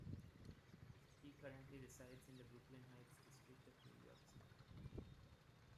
He currently resides in the Brooklyn Heights district of New York City.